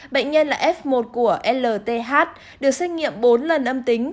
bệnh nhân là f một của lth được xét nghiệm bốn lần âm tính